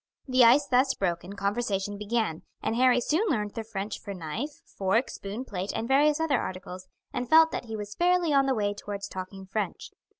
The ice thus broken, conversation began, and Harry soon learned the French for knife, fork, spoon, plate, and various other articles, and felt that he was fairly on the way towards talking French.